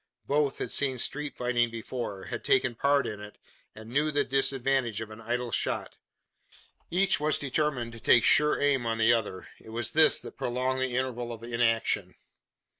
Both had seen street fighting before had taken part in it and knew the disadvantage of an idle shot. Each was determined to take sure aim on the other. It was this that prolonged the interval of inaction.